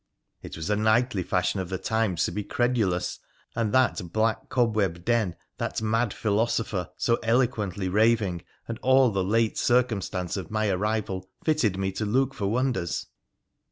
It was a knightly fashion of the timeg to be credulous, and that black cobwebbed den, that mad philosopher, so eloquently raving, and all the late circumstance of my arrival fitted me to look for wonders.